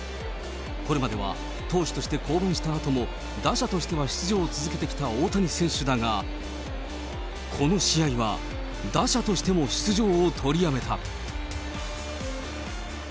これまでは投手として降板したあとも、打者としては出場を続けてきた大谷選手だが、この試合は打者としても出場を取りやめた。